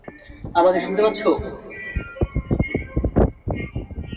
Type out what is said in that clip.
আমাকে শুনতে পাচ্ছো?